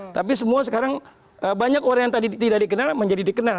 tapi semua sekarang banyak orang yang tadi tidak dikenal menjadi dikenal